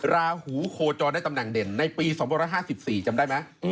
ราหูโคจรได้ตำแหน่งเด่นในปี๒๕๔จำได้ไหม